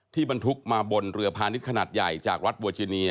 ที่บรรทุกมาบนเรือพานิษฐ์ขนาดใหญ่จากรัฐบัวจีเนีย